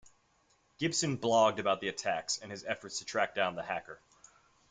Gibson blogged about the attacks and his efforts to track down the hacker.